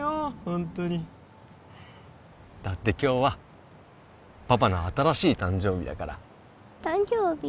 ホントにだって今日はパパの新しい誕生日だから誕生日？